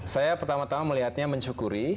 saya pertama tama melihatnya mensyukuri